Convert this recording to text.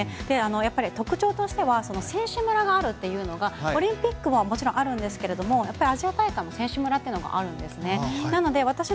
やっぱり特徴としては選手村があるっていうのがオリンピックはもちろんあるんですけれどもやっぱりアジア大会にも選手村ってのがあるんですね。